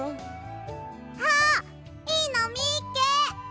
あっいいのみっけ！